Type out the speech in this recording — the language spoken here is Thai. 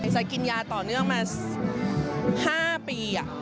จะกินยาต่อเนื่องมา๕ปี